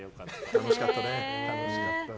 楽しかったね。